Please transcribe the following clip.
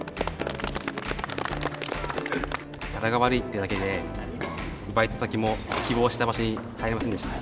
柄が悪いってだけでバイト先も希望した場所に入れませんでした。